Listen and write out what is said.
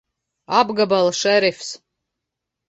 Apgabala šerifs!